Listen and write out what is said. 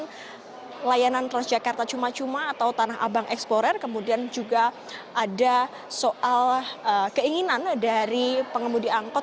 kemudian layanan transjakarta cuma cuma atau tanah abang explorer kemudian juga ada soal keinginan dari pengemudi angkot